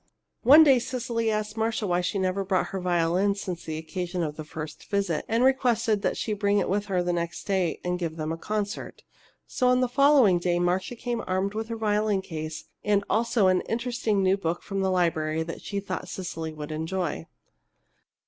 One day Cecily asked Marcia why she never brought in her violin since the occasion of the first visit, and requested that she bring it with her next day and give them a concert. So on the following day Marcia came armed with her violin case and also an interesting new book from the library that she thought Cecily would enjoy.